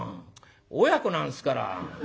親子なんですから」。